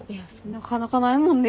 なかなかないもんね。